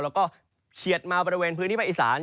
แล้วก็เฉียดมาบริเวณพื้นที่ภาคอีสาน